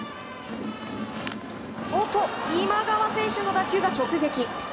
おっと、今川選手の打球が直撃。